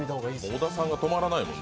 小田さんが止まらないもん。